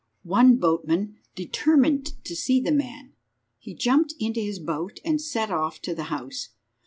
One boatman determined to see the man. He jumped into his boat and set off to the house.